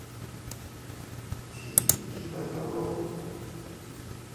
自然啲咪得囉